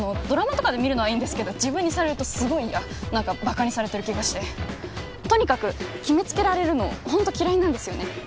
ドラマとかで見るのはいいんですけど自分にされるとすごい嫌何かバカにされてる気がしてとにかく決めつけられるのホント嫌いなんですよね